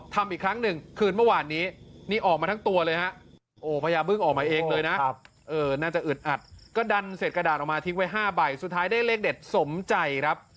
ทิ้งไว้๕ใบสุดท้ายได้เลขเด็ดสมใจครับ